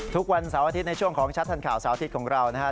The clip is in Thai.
ทุกวันเสาร์อาทิตย์ในช่วงของชัดทันข่าวเสาร์อาทิตย์ของเรานะครับ